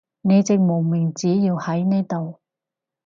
你隻無名指要喺呢度